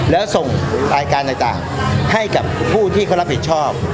แล้วส่งรายการต่างให้กับผู้ที่เขารับผิดชอบ